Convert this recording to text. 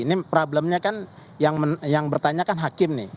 ini problemnya kan yang bertanya kan hakim nih